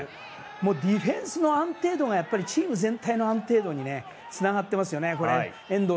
ディフェンスの安定度がチーム全体の安定度につながっていますよね。